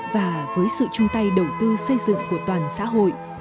và với sự chung tay đầu tư xây dựng của toàn xã hội